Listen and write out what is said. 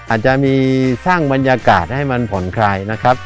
อาจจะมีสร้างบรรยากาศให้มันผ่อนคลายนะครับ